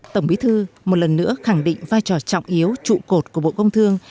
tổng bí thư một lần nữa khẳng định vai trò trọng yếu trụ cột của bộ công thương